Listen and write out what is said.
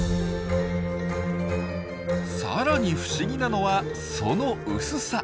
さらに不思議なのはその薄さ。